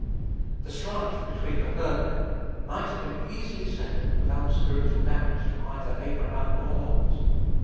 The strife between the herdmen might have been easily settled without spiritual damage to either Abraham or Lot.